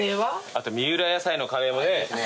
あと三浦野菜のカレーもね。